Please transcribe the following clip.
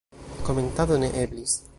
Komentado ne eblis.